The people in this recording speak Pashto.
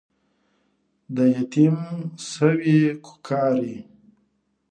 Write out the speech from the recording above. د يتيم سوې کوکارې